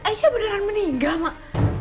aisyah beneran meninggal mah